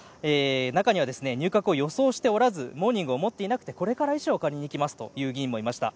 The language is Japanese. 中には入閣を予想しておらずモーニングを持っていなくてこれから衣装を借りに行きますという議員もいました。